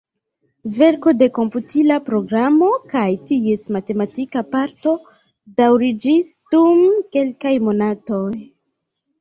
Verko de komputila programo kaj ties matematika parto daŭriĝis dum kelkaj monatoj.